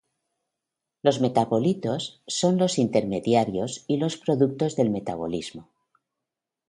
Los metabolitos son los intermediarios y los productos del metabolismo.